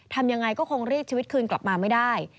ทำยังไงก็คงรีดชีวิตคืนกลับมาไม่ได้